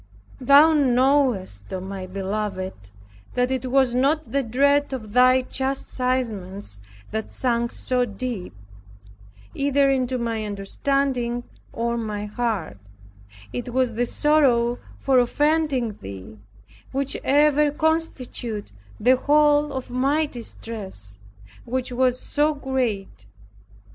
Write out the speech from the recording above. Thou knowest, O my Beloved, that it was not the dread of Thy chastisements that sunk so deep, either into my understanding or my heart; it was the sorrow for offending Thee which ever constituted the whole of my distress; which was so great.